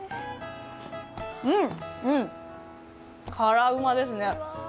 うん、うん、辛うまですね。